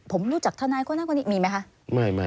ผมรู้จักทานายกว่านั้นกว่านี้มีไหมคะ